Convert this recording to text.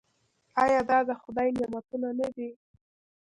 آیا دا د خدای نعمتونه نه دي؟